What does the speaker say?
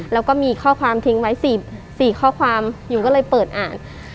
แล้วก็มีข้อความทิ้งไว้๔ข้อความอยู่ก็เลยเปิดอ่าน